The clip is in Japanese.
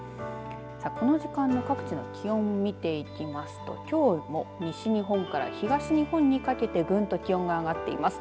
この時間の各地の気温を見ていきますときょうも西日本から東日本にかけてぐんと気温が上がっています。